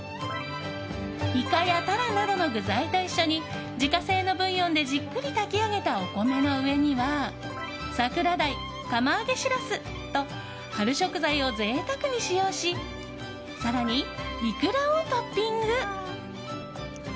イカやタラなどの具材と一緒に自家製のブイヨンでじっくり炊き上げたお米の上には桜鯛、釜揚げシラスと春食材を贅沢に使用し更に、イクラをトッピング。